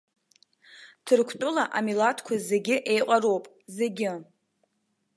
Ҭырқәтәыла амилаҭқәа зегьы еиҟароуп, зегьы.